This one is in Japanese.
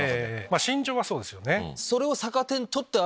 心情はそうですよね。